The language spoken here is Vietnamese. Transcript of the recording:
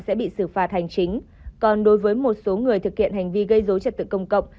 sẽ bị xử phạt hành chính còn đối với một số người thực hiện hành vi gây dối trật tự công cộng